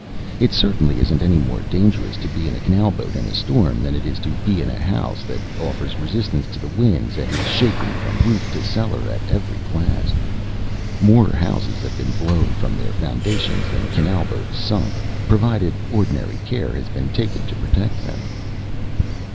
It certainly isn't any more dangerous to be in a canal boat in a storm than it is to be in a house that offers resistance to the winds, and is shaken from roof to cellar at every blast. More houses have been blown from their foundations than canal boats sunk, provided ordinary care has been taken to protect them."